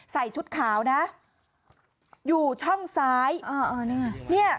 ใส่ชุดขาวนะอยู่ช่องซ้าย